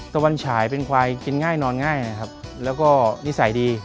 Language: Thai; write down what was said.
ตะวันฉายเป็นควายกินง่ายนอนง่ายนะครับแล้วก็นิสัยดี